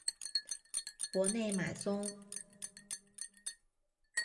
博内马宗。